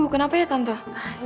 aduh kenapa ya tante